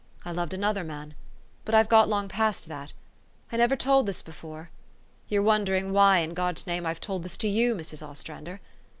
I loved another man. But I've got long past that. I never told this before. You're wondering why, in God's name, I've told this to you, Mrs. Ostrander.